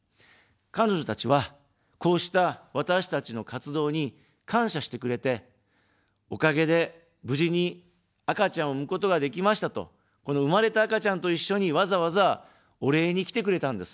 彼女たちは、こうした私たちの活動に感謝してくれて、おかげで無事に赤ちゃんを産むことができましたと、この生まれた赤ちゃんと一緒に、わざわざ、お礼に来てくれたんです。